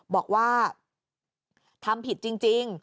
บอกว่าทำผิดจริง